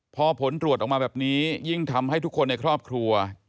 พอผลตรวจออกมาแบบนี้ยิ่งทำให้ทุกคนในครอบครัว